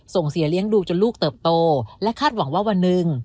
เสียเลี้ยงดูจนลูกเติบโตและคาดหวังว่าวันหนึ่ง